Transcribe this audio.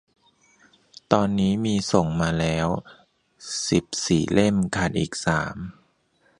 ตอนนี้มีส่งมาแล้วสิบสี่เล่ม ขาดอีกสาม